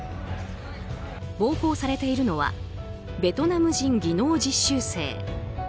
暴行されているのはベトナム人技能実習生。